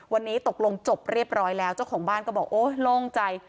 วันนี้ตกลงจบเรียบร้อยแล้วเจ้าของบ้านก็บอกโอ้ยโล่งใจ